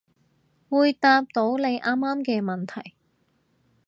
會答到你啱啱嘅問題